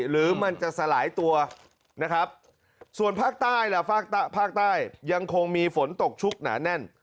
หรือมันจะสลายตัวนะครับส่วนภาคใต้ล่ะภาคใต้ยังคงมีฝนตกชุกหนาแน่น